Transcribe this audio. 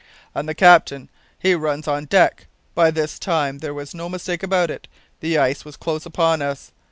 "And the captain he runs on deck. By this time there was no mistake about it; the ice was close upon us.